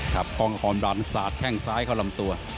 ครับคล่องคอมดันสาดแข้งซ้ายเข้าลำตัว